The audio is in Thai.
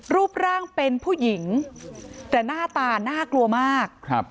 รูปร่างเป็นผู้หญิงแต่หน้าตาน่ากลัวมากครับ